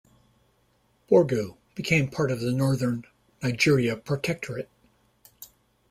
Borgu became part of the Northern Nigeria Protectorate.